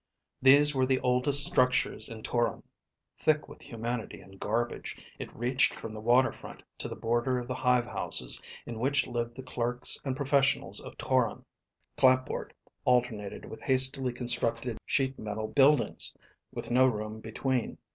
These were the oldest structures in Toron. Thick with humanity and garbage, it reached from the waterfront to the border of the hive houses in which lived the clerks and professionals of Toron. Clapboard alternated with hastily constructed sheet metal buildings with no room between.